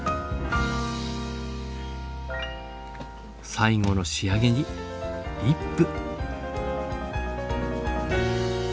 最後の仕上げにリップ。